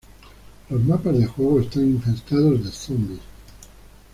Los mapas de juego están infestados de zombies.